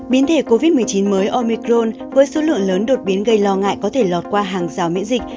biến thể covid một mươi chín mới omicron với số lượng lớn đột biến gây lo ngại có thể lọt qua hàng rào miễn dịch